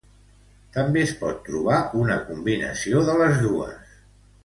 També es pot trobar una combinació de les dues.